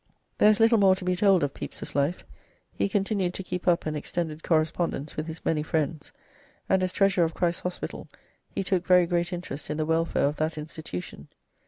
There is little more to be told of Pepys's life. He continued to keep up an extended correspondence with his many friends, and as Treasurer of Christ's Hospital he took very great interest in the welfare of that institution.